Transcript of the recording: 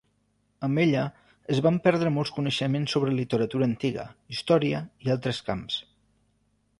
Amb ella es van perdre molts coneixements sobre literatura antiga, història, i altres camps.